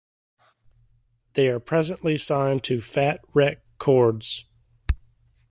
They are presently signed to Fat Wreck Chords.